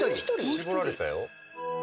絞られたよ。